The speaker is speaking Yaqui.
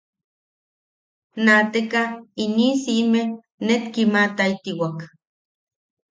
Naateka, iniʼi siʼime net kiimataitiwak.